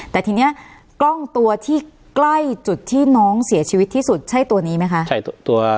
แต่ทีนี้กล้องตัวที่ใกล้จุดที่น้องเสียชีวิตที่สุดใช่ตัวนี้ไหมคะใช่ตัว